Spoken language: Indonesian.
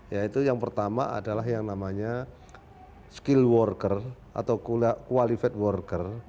yaitu yang pertama adalah yang namanya skill worker atau qualified worker